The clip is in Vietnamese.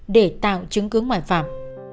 để tạo chứng cứ ngoại phạm